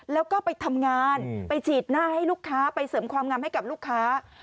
แล้วก็ไปทำงานไปฉีดหน้าให้ลูกค้าไปเสริมความงามให้กับลูกค้า